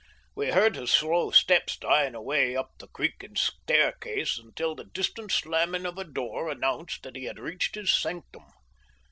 We heard his slow steps dying away up the creaking staircase, until the distant slamming of a door announced that he had reached his sanctum.